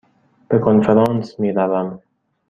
به کنفرانس می روم.